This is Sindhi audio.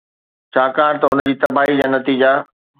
ڇاڪاڻ ته ان جي تباهي جا نتيجا